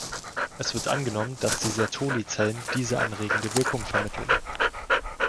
Es wird angenommen, dass die Sertoli-Zellen diese anregende Wirkung vermitteln.